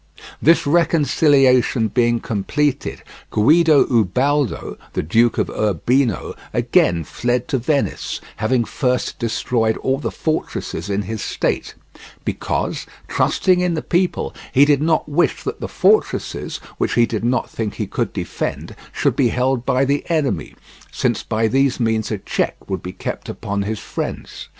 This reconciliation being completed, Guido Ubaldo, the Duke of Urbino, again fled to Venice, having first destroyed all the fortresses in his state; because, trusting in the people, he did not wish that the fortresses, which he did not think he could defend, should be held by the enemy, since by these means a check would be kept upon his friends.